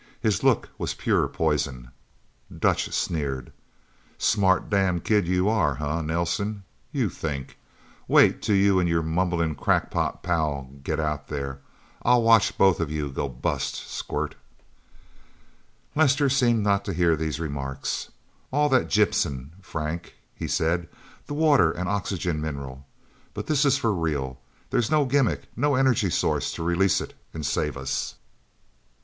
His look was pure poison. Dutch sneered. "Smart damn kid you are, huh, Nelsen? You think! Wait till you and your mumblin' crackpot pal get out there! I'll watch both of you go bust, squirt!" Lester seemed not to hear these remarks. "All that gypsum, Frank," he said. "The water and oxygen mineral. But this is for real. There's no gimmick no energy source to release it and save us..."